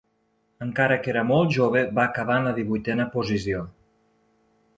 Encara que era molt jove, va acabar en la divuitena posició.